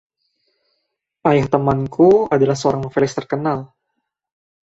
Ayah temanku adalah seorang novelis terkenal.